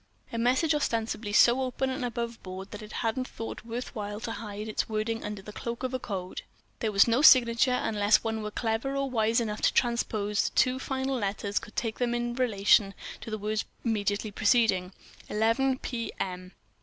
A message ostensibly so open and aboveboard that it hadn't been thought worth while to hide its wording under the cloak of a code. There was no signature—unless one were clever or wise enough to transpose the two final letters and take them in relation to the word immediately preceding. "Eleven, M.